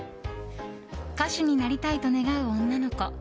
歌手になりたいと願う女の子。